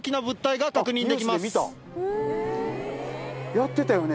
やってたよね？